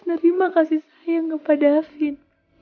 terima kasih sayang kepada afin